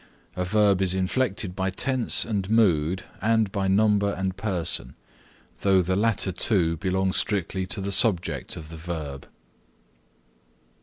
A verb is inflected by tense and mood and by number and person, though the latter two belong strictly to the subject of the verb.